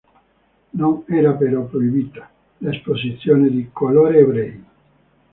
Non era però proibita l'esposizione di "colori ebrei".